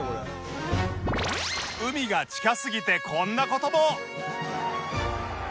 海が近すぎてこんな事も